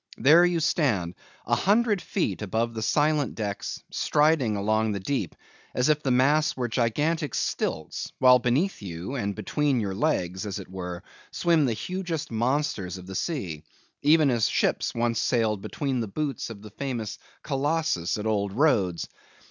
There you stand, a hundred feet above the silent decks, striding along the deep, as if the masts were gigantic stilts, while beneath you and between your legs, as it were, swim the hugest monsters of the sea, even as ships once sailed between the boots of the famous Colossus at old Rhodes.